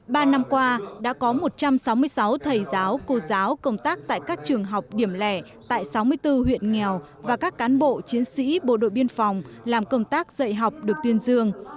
ba năm qua đã có một trăm sáu mươi sáu thầy giáo cô giáo công tác tại các trường học điểm lẻ tại sáu mươi bốn huyện nghèo và các cán bộ chiến sĩ bộ đội biên phòng làm công tác dạy học được tuyên dương